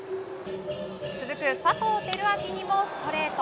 続く佐藤輝明にもストレート。